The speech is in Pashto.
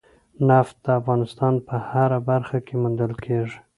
نفت د افغانستان په هره برخه کې موندل کېږي.